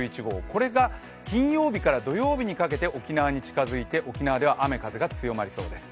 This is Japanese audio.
これが金曜日から土曜日にかけて沖縄に近づいて、沖縄では雨・風が強まりそうです。